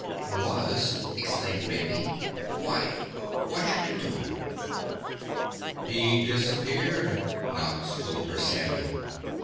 "Was?" exclaimed Mandy. "Why what happened to him?" "He disappeared," Nox told her sadly.